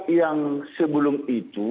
yang sebelum itu